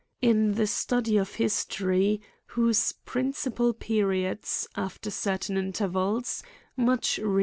In the study of history, whose principal periods, after certain intervals, much re.